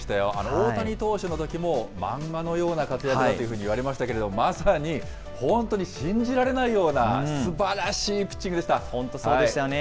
大谷投手のときも漫画のような活躍だというふうに言われましたけど、まさに本当に信じられないような、すばらしいピッチングでし本当、そうでしたよね。